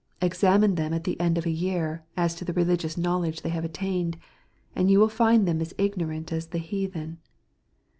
Examine them at the end of a year, as to the religious knowledge they have attained, and you will find them as ignorant as the heathen.